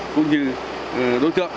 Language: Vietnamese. cũng như đối tượng